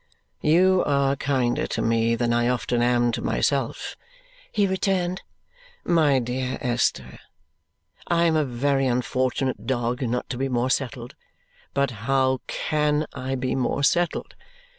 "You are kinder to me than I often am to myself," he returned. "My dear Esther, I am a very unfortunate dog not to be more settled, but how CAN I be more settled?